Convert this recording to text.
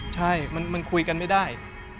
ใช่มันคุยกันไม่ได้